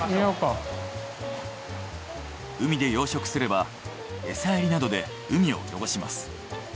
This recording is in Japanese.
海で養殖すればエサやりなどで海を汚します。